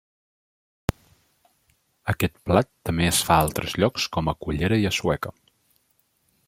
Aquest plat també es fa a altres llocs com a Cullera i a Sueca.